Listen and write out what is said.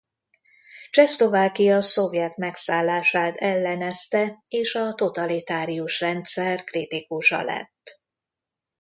Csehszlovákia szovjet megszállását ellenezte és a totalitárius rendszer kritikusa lett.